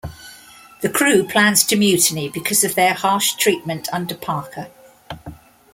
The crew plans to mutiny because of their harsh treatment under Parker.